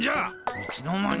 いつの間に。